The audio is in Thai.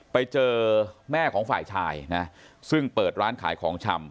ไปเจอแม่ของฝ่ายชายนะซึ่งเปิดร้านขายของชำ